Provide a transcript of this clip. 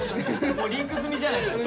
もうリーク済みじゃないですか。